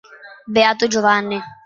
Beato Giovanni